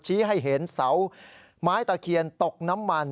ให้เห็นเสาไม้ตะเคียนตกน้ำมัน